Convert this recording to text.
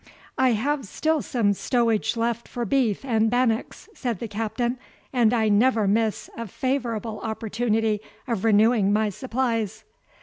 "I have still some stowage left for beef and bannocks," said the Captain; "and I never miss a favourable opportunity of renewing my supplies."